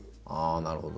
なるほど。